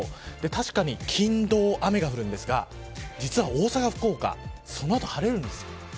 確かに、金、土雨が降るんですが実は大阪、福岡そのあと晴れるんですよ。